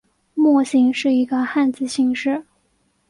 莫姓是一个汉字姓氏。